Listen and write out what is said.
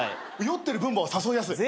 酔ってる分母は誘いやすい。